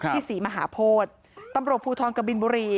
ที่ศรีมหาพถตำรวจภูท้องกบินบุรี